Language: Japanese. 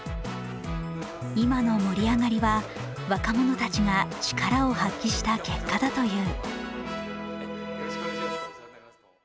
今の盛り上がりは若者たちが力を発揮した結果だという。